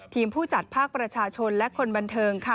ผู้จัดภาคประชาชนและคนบันเทิงค่ะ